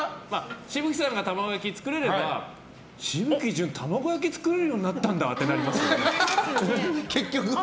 紫吹さんが卵焼きを作れれば紫吹淳、卵焼き作れるようになったんだ！って思いますね。